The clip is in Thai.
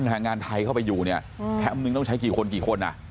ทางงานไทยเข้าไปอยู่เนี่ยแคมป์นึงต้องใช้กี่คนกี่คนอ่ะ